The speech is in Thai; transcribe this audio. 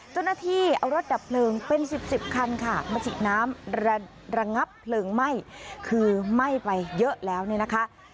เจ้าหน้าที่เอารถดับเพลิงเป็นสิบสิบคันค่ะมาฉีดน้ำระงับเพลิงไหม้คือไหม้ไปเยอะแล้วเนี่ยนะคะ